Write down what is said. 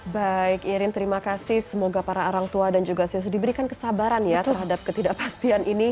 baik irin terima kasih semoga para orang tua dan juga siswa diberikan kesabaran ya terhadap ketidakpastian ini